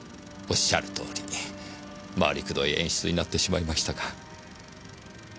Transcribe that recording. おっしゃるとおり回りくどい演出になってしまいましたが。